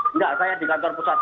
enggak saya di kantor pusat